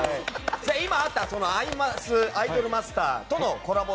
今あった「アイマス」「アイドルマスター」とのコラボ